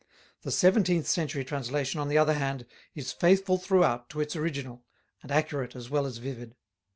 The seventeenth century translation, on the other hand, is faithful throughout to its original, and accurate as well as vivid.